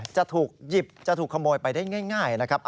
จะถูกหยิบจะถูกขโมยไปได้ง่ายนะครับ